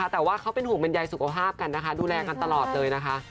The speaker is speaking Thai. แต่ว่าเขาเป็นหุ่นเบนใยสุขภาพกันดูแลกันตลอดเลยนะคะ